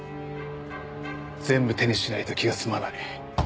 全部手にしないと気が済まない。